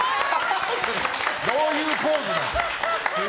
どういうポーズだ。